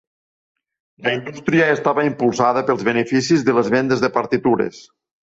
La indústria estava impulsada pels beneficis de les vendes de partitures.